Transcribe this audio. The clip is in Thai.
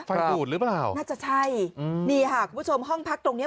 ดูดหรือเปล่าน่าจะใช่อืมนี่ค่ะคุณผู้ชมห้องพักตรงเนี้ย